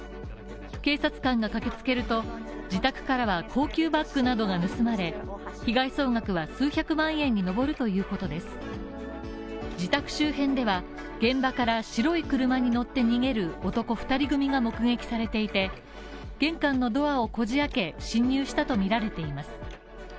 警察官が駆けつけると、自宅からは高級バッグなどが盗まれ、被害総額は数百万円に上るということです自宅周辺では、現場から白い車に乗って逃げる男２人組が目撃されていて、玄関のドアをこじ開け侵入したとみられています